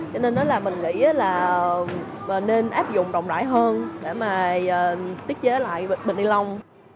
cho nên đó là mình nghĩ là nên áp dụng rộng rãi hơn để mà tiết chế lại bình nilon